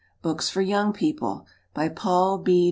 Books for Young People. By PAUL B.